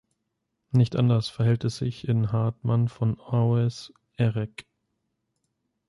Nicht anders verhält es sich in Hartmann von Aues "Erec".